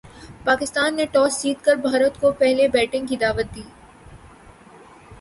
پاکستان نے ٹاس جیت کر بھارت کو پہلے بیٹنگ کی دعوت دی۔